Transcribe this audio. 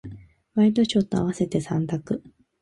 ワイドショーと合わせて三択。